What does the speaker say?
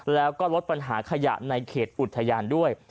แล้วก็ลดปัญหาขยะในเขตอุทยานด้วย